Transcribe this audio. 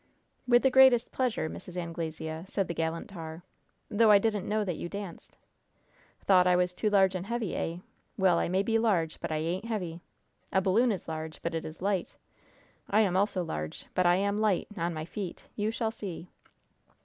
"With the greatest pleasure, Mrs. Anglesea," said the gallant tar, "though I didn't know that you danced." "Thought I was too large and heavy, eh? Well, I may be large, but I ain't heavy! A balloon is large, but it is light! I am also large, but I am light on my feet! You shall see!"